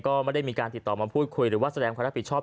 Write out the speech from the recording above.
ก็ไม่ได้มีการติดต่อมาพูดคุยหรือว่าแสดงความรับผิดชอบ